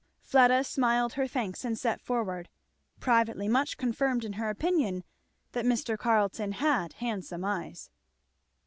Fleda smiled her thanks and set forward, privately much confirmed in her opinion that Mr. Carleton had handsome eyes.